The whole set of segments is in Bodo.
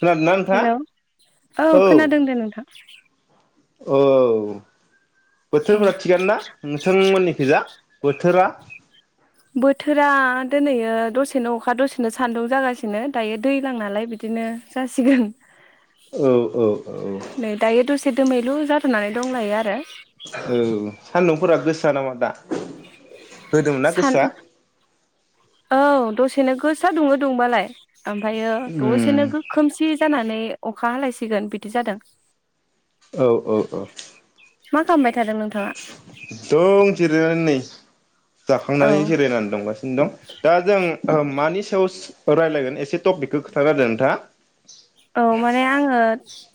खोनादोंना नोंथाङा हेल' औ औ खोनादों दे नोंथां । औ । औ बोथोरफोरा थिगानो दा नोंथांमोननि खैजा? बोथोरा बोथोरा दिनैयो दसेनो अखा दसेनो सान्दुं जागासिनो दायो दैज्लां नालाय बिदिनो जासिगोन औ औ औ । नै दायो दसे दोमैलु जाथनानै दंलायो आरो सान्दुंफोरा गोसा नामा दा? होदोंमोन ना सान गोसा औ दस सेनो गोसा दुङो दुंबालाय । ओमफ्रायो उम दसेनो खोमसि जानानै अखा हालायसिगोन बिदि जादों । औ औ औ । मा खामबाय दं जिरायनानै नै । औ जाखांनानै जिरायनानै दंगासिनो दं दा जों मानि सायाव रायज्लायगोन एसे टपिकखौ खोथानाहोदो नोंथाङा । औ माने आङो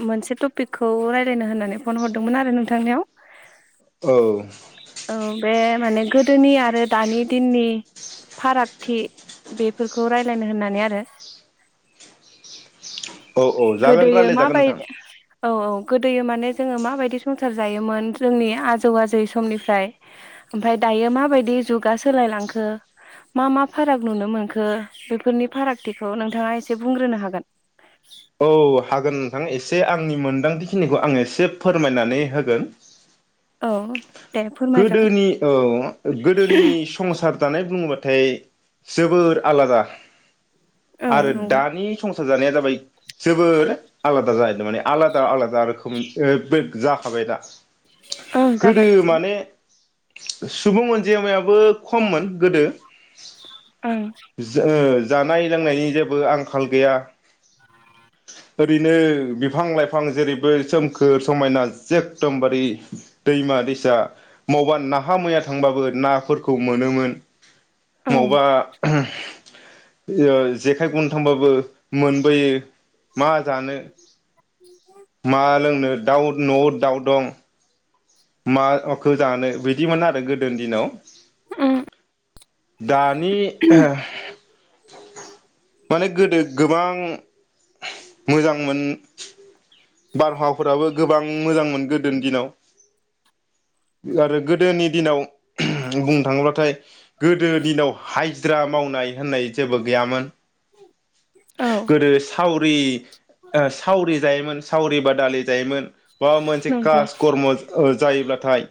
मोनसे टपिकखौ रायलायनो होननानै फन हरदोंमोन आरो नोंथांनियाव औ । औ बे माने गोदोनि आरो दानि दिननि फारागथि बेफोरखौ रायलायनो होननानै आरो औ औ जागोन गोदोयो रायलाय जागोन माबायदि नोंथां। औ औ गोदोयो माने जोङो माबायदि संसार जायोमोन जोंनि आजौ आजै समनिफ्राय ओमफ्राय दायो माबायदि जुगा सोलायलांखो मा मा फाराग नुनो मोनखो बेफोरनि फारागथिखौ नोंथाङा एसे बुंग्रोनो हागोन? औ हागोन नोंथां एसे आंनि मोन्दांथिखिनिखौ आं एसे फोरमायनानै होगोन । औ । गोदोनि औ गोदोनि संसार जानाय बुङोबा थाय जोबोर आलादा । औ आरो नंगौ दानि संसार जानाया जाबाय जोबोर आलादा जाहैदो माने आलादा आलादा रोखोमनि । ओ बे जाखाबाय दा? औ गोदो जाबाय [unintelligible] माने सुबुं अनजिमायाबो खममोन गोदो । ओं [unintelligible] जानाय लोंनायनि जेबो आं खाल गैया ओरैनो बिफां लाइफां जेरैबो सोमखोर समायना जेखदमबारि दैमा दैसा मबा नाहा मैया थांबाबो नाफोरखौ मोनोमोन। औ मबा ओ जेखाइ गुनथांबाबो मोनबोयो मा जानो मा लोंनो दाउ न'आव दाउ दं मा अखौ जानो बिदिमोन आरो गोदोनि दिनाव उम दानि माने गोदो गोबां मोजांमोन बारहावाफोराबो गोबां मोजां मोन गोदोनि दिनाव आरो गोदोनि दिनाव बुंनो थाङोब्लाथाय गोदो दिनाव हाइजिरा मावनाय होननाय जेबो गैयामोन औ गोदो साव बै ओ सावरि जायोमोन सावरि बादालि जायोमोन। माबा मोनसे नंगौ कास कर्म ओ जायोब्लाथाय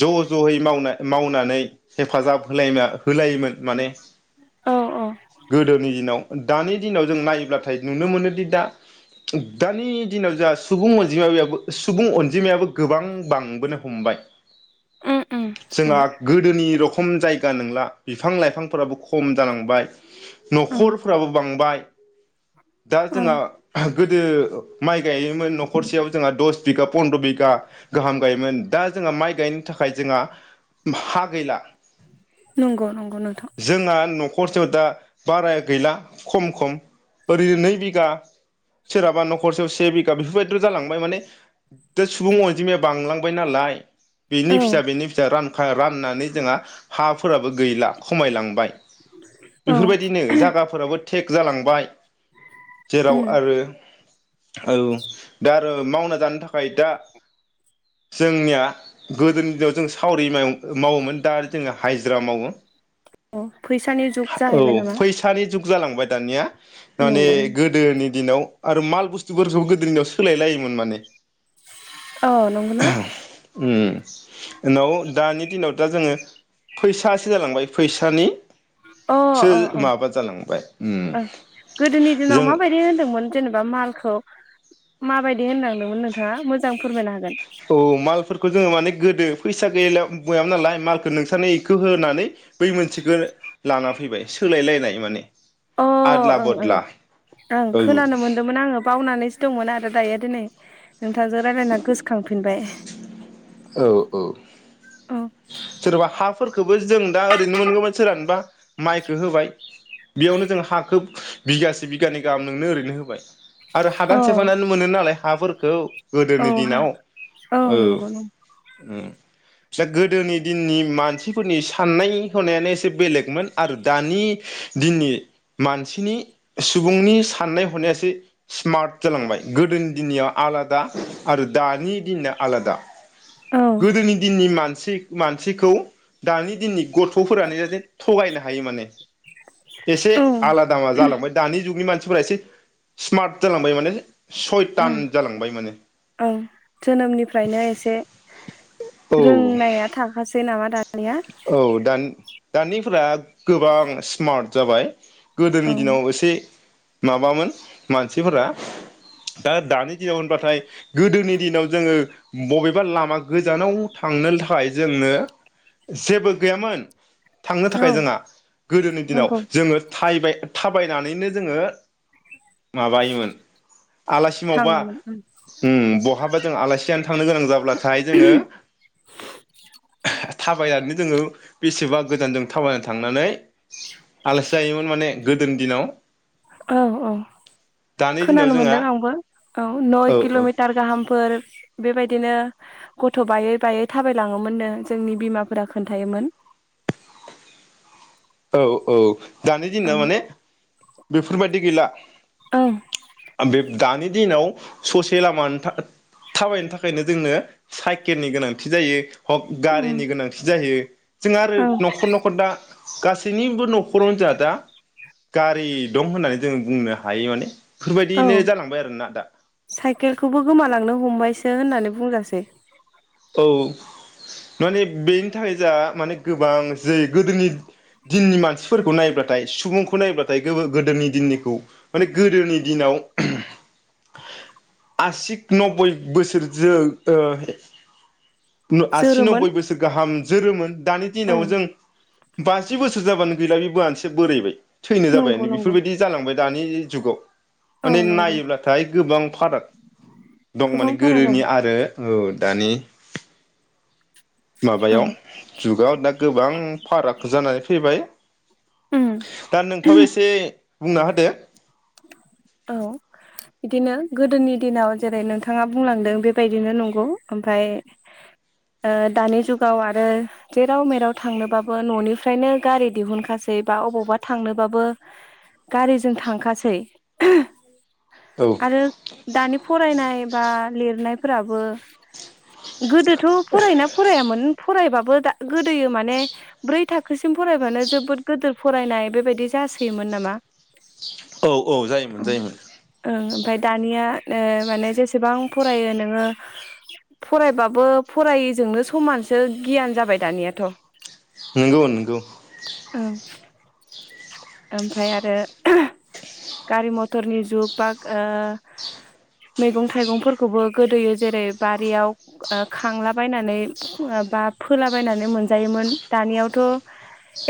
ज जयै मावनाय मावनानै हेफाजाब होलायना होलायोमोन माने औ औ गोदोनि दिनाव दानि दिनाव जों नायोब्लाथाय नुनो मोनोदि दा दानि दिनाव जा सुबुं अनजिमायाबो सुबुं अनजिमायाबो गोबां बांबोनो हमबाय। उम उम जोंहा हमबाय गोदोनि र खम जायगा नोंला बिफां लाइफांफोराबो खम जालांबाय। औ न'खरफोराबो बांबाय [inaudible] दा औ जोंहा गोदो माइ गायोमोन न'खरसेयाव जोंहा दस बिगा फनद्र बिगा गाहाम गायोमोन दा जोंहा माइ गायनो थाखाय जोंहा हा गैला। नंगौ नंगौ नोंथां। खरसेयाव दा बाराया गैला खम खम ओरैनो नै बिगा सोरहाबा न'खरसेयाव से बिगा बेफोरबायदिल' जालांबाय माने दा सुबुं अनजिमाया बांलांबाय नालाय बेनि औ फिसा बेनि फिसा रानखा राननानै जोंहा हाफोराबो गैला खमायलांबाय। औ बेफोरबायदिनो जागाफोराबो थेक जालां बाय उम जेराव आरो औ दा ओ मावना जानो थाखाय दा जोंनिया गोदोनि दिनाव जों सावरि मा मावोमोन दा जोङो हायजिरा मावो औ फैसानि जुग औ जाहैबाय नामा फैसानि जुग जालांबाय दानिया। माने नंगौ गोदोनि दिनाव आरो माल बुस्थुफोरखौ गोदोनि दिनाव सोलाय लायोमोन माने। औ नंगौना ओम उनाव दानि दिनाव दा जोङो फैसासो जालांबाय फैसानि अ सो अ अ माबा जालांबाय ओम। ओं गोदोनि दिनाव माबायदि होन्दोंमोन जेनेबा मा मालखौ माबायदि होनलांदोंमोन नोंथाङा मोजां फोरमायनो हागो औ मालफोरखौ जोङो माने गोदो फैसा गैयलायाव बयामोन नालाय मालखौ नोंसानि खो होनानै बै मोनसेखो लाना फैबाय सोलायलायनाय माने। अ आदला ओं ओं बदला ओं औ खोनानो मोनदोंमोन आङो बावनानैसो दंमोन आरो दायो दिनै नोंथांजों रायलायना गोसो खांफिनबाय औ औ औ सोरबा हाफोरखोबो जों दा ओरैनो मोनगौमोन सोरानबा माइखो होबाय बेयावनो जों हाखो बिगासे बिगानै गाहाम नोंनो ओरैनो होबाय। आरो हादान औ सेफायनानै मोनो नालाय हाफोर खौ औ गोदोनि हा दिनाव औ नंगौ नंगौ उम बिसा गोदोनि दिननि मानसिफोरनि साननाय हनायानो एसे बेलेगमोन आरो दानि दिननि मानसिनि सुबुंनि साननाय हनाया एसे स्मार्ट जालांबाय गोदोनि दिननिया आलादा आरो दानि दिननिया आलादा। औ गोदोनि दिननि मानसि मानसिखौ दानि दिननि गथ'फोरानो जाहाथे थगायनो हा हायो माने। एसे ओं आलादा मा जालांबाय दानि जुगनि मानसि फोरा एसे स्मार्ट जालांबाय माने उम सयथान जालांबाय माने ओं जोनोमनिफ्रायनो एसे औ रोंनाया थाखासै नामा दा औ दान दानिफोरा गोबां स्मार्ट जाबाय औ गोदोनि दिनाव एसे माबामोन मानसिफोरा दा-दानि दिनाव होनबाथाय गोदोनि दिनाव जोङो बबेबा लामा गोजानाव थांनो थाखाय जोंनो जेबो गैयामोन। थांनो औ थाखाय जोंहा गोदोनि दिनाव नंगौ जोङो थायबाय थाबायनानैनो जोङो माबायोमोन आलासि मबा थाङोमोन उम बहाबा जों आलासि जानो थांनो गोनां जाब्लाथाय जोङो थाबायानो जोङो बेसेबा गोजान जों थाबायनानै थांनानै आलासि जायोमोन माने गोदोनि दिनाव औ औ दानि दिनाव खोनानो जोंहा मोनदों आंबो औ नय औ औ किल'मिटार गाहामफोर बेबायदिनो गथ' बायै बायै थाबाय लाङोमोननो जोंनि बिमाफोरा खोन्थायोमोन। औ औ। दानि औ दिनाव माने बेफोरबायदि गैला औ बे दानि दिनाव ससे लामानि था-थाबायनो थाखायनो जोंनो साइकेलनि गोनांथि जायो। हक गारिनि गोनांथि जायो। जोंहा आरो औ न'खर न'खर दा गासैनिबो न'खरावनो जोंहा दा गारि दं होननानै जों बुंनो हायो माने। बेफोरबायदिनो जालांबाय आरोना दा केलखौबो गोमालांनो हमबायसो होननानै बुंजासै। औ माने बेनि थाखाय जा माने गोबां जे गोदोनि दिननि मानसिफोरखौ नायब्लाथाय सुबुंखौ नायब्लाथाय गोदोनि दिननिखौ माने गोदोनि दिनाव आसि नबै बोसोरजों ओ न आसि जोरोमोन नब्बै बोसोर गाहाम जोरोमोन। दानि औ दिनाव जों बाजि बोसोर जाबानो गैला बिब मानसिया बोरायबाय थैनो नंगौ जाबायानो नंगौ बेफोरबायदि जालांबाय। दानि जुगाव औ माने नंगौ नायोब्लाथाय गोबां फाराग दं गोबां माने फाराग औ गोदोनि आरो औ दानि औ माबायाव जुगाव दा गोबां फाराग जाना फैबाय उम दा नोंथाङाबो एसे बुंना होदो। औ बिदिनो गोदोनि दिनाव जेरै नोंथाङा बुंलांदों बेबायदिनो नंगौ ओमफ्राय दानि जुगाव आरो जेराव मेराव थांनोबाबो न'निफ्रायनो गारि दिहुनखासै बा अबावबा थांनोबाबो गारिजों थांखासै। [unintelligible] औ आरो दानि फरायनाय बा लिरनायफोराबो। गोदोथ' फरायना फरायामोन फरायबाबो दा गोदोयो माने ब्रै थाखोसिम फरायबानो जोबोद गोदोर फरायनाय बेबायदि जासोयोमोन नामा। औ औ जायोमोन ओं जायोमोन ओमफाय दानिया ओ माने जेसेबां फरायो नोङो फरायबाबो फरायिजोंनो समानसो गियान जाबाय दानियाथ'। नोंगौ नोंगौ। ओमफाय आरो। गारि मथरनि जुग बा मैगं थाइगंफोरखौबो गोदोयो जेरै बारियाव खांलाबायनानै बा फोलाबायनानै मोनजायोमोन दानियावथ'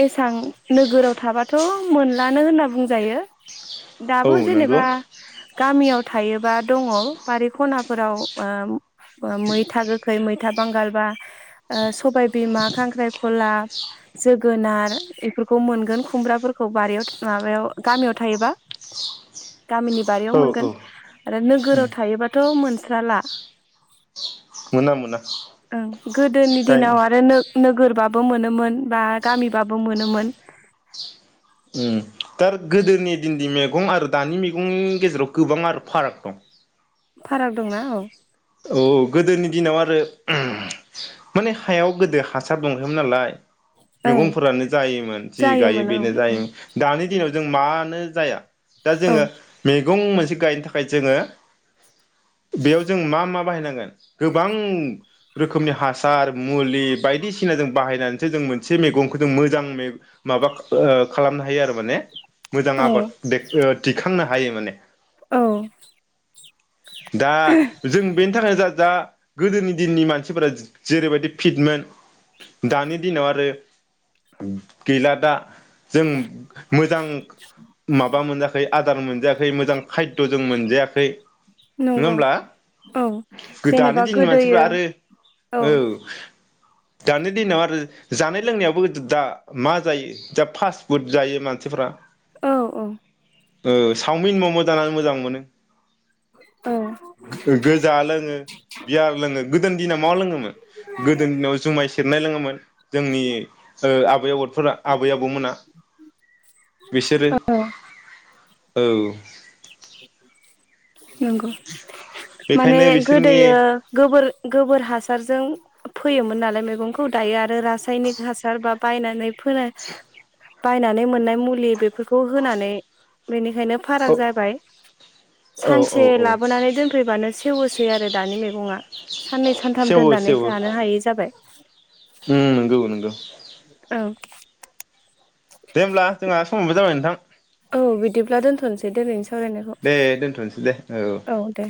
एसां नोगोराव थाबाथ' मोनलानो होनना बुंजायो। औ दाबो नंगौ जेनेबा। गामियाव थायोबा। दङ बारि खनाफोराव ओं मैथा गोखै मैथ मैथा बांगाल बा ओं। सबाय बिमा खांख्रायख खला जोगोनार एफोरखौ मोनगोन खुमब्राफोरखौ बारियाव था माबायाव गामियाव थायोबा। गामिनि बारियाव औ औ मोनगोन आरो नोगोराव थायोबाथ' मोनस जाला। मोना मोना ओं गोदोनि गायनो दिनाव आरो नोंग नोगोरबाबो मोनोमोन बा गामिबाबो मोनोमोन। ओं दार गोदोनि दिनदि मेगं आरो दानि मैगंनि गेजेराव गोबां आरो फाराग दं। फाराग दंना औ। औ गोदोनि दिनाव आरो माने हायाव गोदो हासार दंखायोमोन नालाय। ओं मैगंफोरानो जायोमोन जि गायो जायोमोन औ बेनो जायोमोन दानि दिनाव जों मानो जाया? दा औ जोङो मैगं मोनसे गायनो थाखाय थाखाय जोङो बेयाव जों मा मा बाहायनांगोन गोबां रोखोमनि हासार मुलि बायदिसिना जों बाहायनानैसो जों मोनसे मैगंखौ जों मोजां माबा खालामनो हायो आरो माने मोजां औ आबाद दिखांनो हायो माने। औ दा जों बेनि थाखायनो जा दा गोदोनि दिननि मानसिफोरा जेरै बायदि फिटमोन दानि दिनाव आरो गैला दा। जों मोजां माबा मोनजाखै आदार मोनजायाखै मोजां खायद' जों मोनजायाखै नङा नंगौ होमब्ला? औ दानि जेनेबा दिननि मानसिफ्रा गोदोयो आरो औ। दानि दिनाव आरो जानाय लोंनायावबो दा मा जायो दा फास्ट फुड जायो मानसिफ्रा औ औ। ओ सावमिन मम' जानानै मोजां मोनो। औ [unintelligible] लोङो बियार लोङो गोदो दिना मा लोङोमोन गोदोनि दिनाव जुमाय स [unintelligible] लोङोमोन। जोंनि ओ आ बे [unintelligible] फोरा आबै आबौमोना। बिसोरो औ औ। नंगौ माने बेखायनो बिसोरनि गोदोयो गोबोर गोबोर हास हासारजों फोयोमोन नालाय मैगंखौ दायो आरो रासायनिक हासार बा बायनानै फो बायनानै मोननाय मुलि बेफोरखौ होनानै बेनि बेखायनो फाराग औ जाबाय । औ औ सानसे औ लाबोनानै दोनफैबानो सेवोसै आरो दानि मैगं नङा साननै सानथाम सेवो दोननानै सेवो जानो हायै जाबाय। उम नंगौ नंगौ औ। दे होमब्ला जोंहा समबो जाबाय नोंथां। औ बिदिब्ला दोन्थ'नोसै दिनैनि सावरायनायखौ। दे दोनथ'नोसै दे औ दे।